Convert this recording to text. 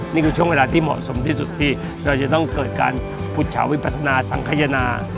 นี่คือช่วงเวลาที่เหมาะสมที่สุดที่เราจะต้องเกิดการพุทธฉาวิพัฒนาสังขยนา